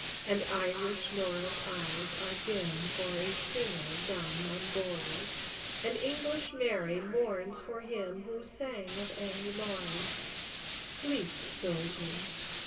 And Irish Nora's eyes are dim For a singer, dumb and gory; And English Mary mourns for him Who sang of "Annie Laurie." Sleep, soldiers!